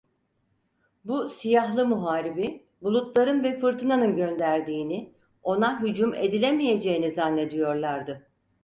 Bu siyahlı muharibi bulutların ve fırtınanın gönderdiğini, ona hücum edilemeyeceğini zannediyorlardı.